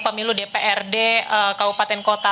pemilu dprd kabupaten kota